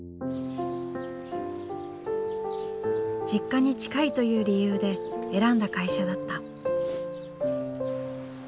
実家に近いという理由で選んだ会社だった。